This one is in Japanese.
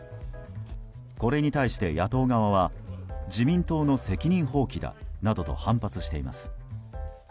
これに対して野党側は自民党の責任放棄だなどと反発しています。